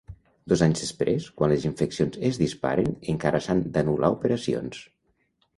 Dos anys després, quan les infeccions es disparen encara s’han d’anul·lar operacions.